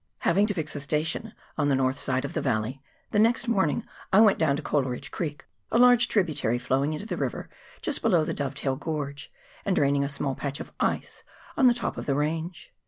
Having to fix a station on the north side of the valley, the next morning I went down to Coleridge Creek, a large tributary flowing into the river just below the Dovetail Gorge, and draining a small patch of ice on the top of the range.